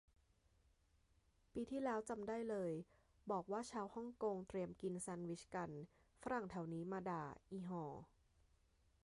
ปีที่แล้วจำได้เลย บอกว่าชาวฮ่องกงเตรียมกินแซนด์วิชกัน ฝรั่งแถวนี้มาด่า อิห่อ